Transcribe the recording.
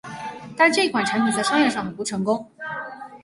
但这一款产品在商业上很不成功。